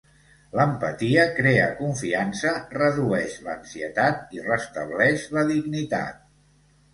L'empatia crea confiança, redueix l'ansietat i restableix la dignitat.